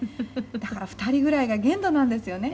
「だから２人ぐらいが限度なんですよね